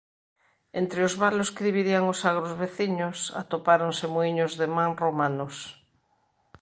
Entre os valos que dividían os agros veciños atopáronse muíños de man romanos.